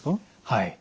はい。